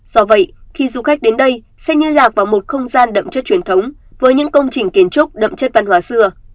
do vậy khi du khách đến đây sẽ liên lạc vào một không gian đậm chất truyền thống với những công trình kiến trúc đậm chất văn hóa xưa